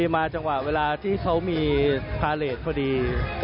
มาจังหวะเวลาที่เขามีพาเลสพอดี